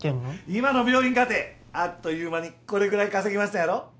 今の病院かてあっという間にこれぐらい稼ぎましたやろ？